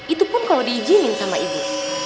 itu pun kalau diizinin sama ibu